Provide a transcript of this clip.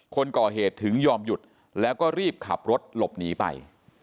คนก่อเหตุถึงยอมหยุดแล้วก็รีบขับรถหลบหนีไป